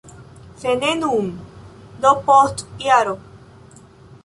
Se ne nun, do post jaro.